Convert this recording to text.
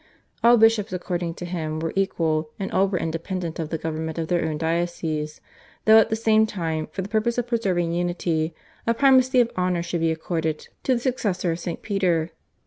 All bishops according to him were equal, and all were independent of the government of their own dioceses, though at the same time, for the purpose of preserving unity, a primacy of honour should be accorded to the successor of Saint Peter.